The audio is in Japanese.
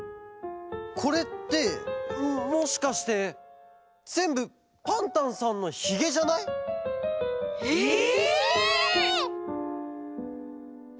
これってもしかしてぜんぶパンタンさんのヒゲじゃない？えっ！？